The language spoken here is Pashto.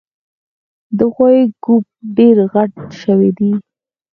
د غوایي ګوپ ډېر غټ شوی دی